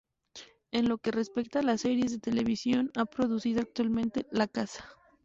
En lo que respecta a las series de televisión, ha producido actualmente “La caza.